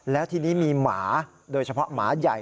แล้วทีนี้มีหมาโดยเฉพาะหมาใหญ่